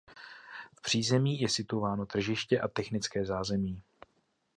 V přízemí je situováno tržiště a technické zázemí.